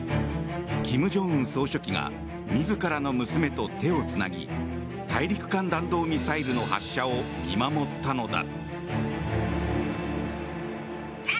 金正恩総書記が自らの娘と手をつなぎ大陸間弾道ミサイルの発射を見守ったのだ。